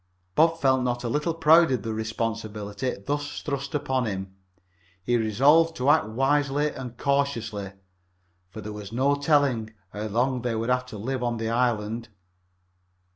Bob felt not a little proud of the responsibility thus thrust upon him. He resolved to act wisely and cautiously, for there was no telling how long they would have to live on the island.